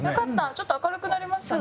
ちょっと明るくなりましたね。